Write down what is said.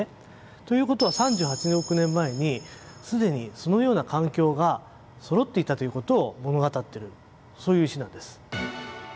ということは３８億年前にすでにそのような環境がそろっていたということを物語ってるそういう石なんです。